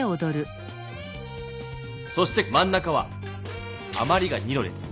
そしてまん中はあまりが２の列。